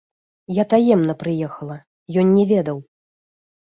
Я таемна прыехала, ён не ведаў.